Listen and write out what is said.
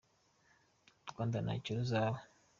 U Rwanda ntacyo ruzaba